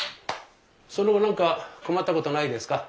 その後何か困ったことはないですか？